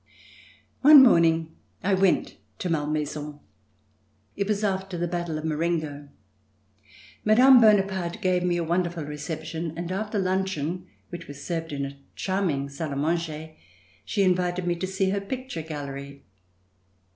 One morning I went to Malmaison. It was after the battle of Marengo. Mme. Bonaparte gave me a wonderful reception, and after luncheon, which was served in a charming salle d manger, she invited me to see her picture gallery.